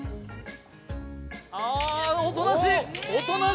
あおとなしい！